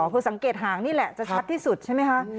คือสังเกตหางนี่แหละจะชัดที่สุดใช่ไหมคะ